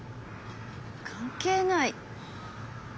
関係ない？